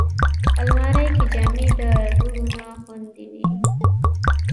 الماري کې جامې د دوړو نه خوندي وي